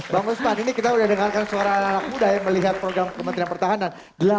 bang usman ini kita sudah dengarkan suara anak anak muda yang melihat program kementerian pertahanan